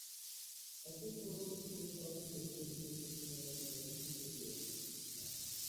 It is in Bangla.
একজন চলচ্চিত্র পরিচালকের ব্যক্তিগত সংকট সিনেমাতে মহাকাব্যিক রূপ নিয়েছে।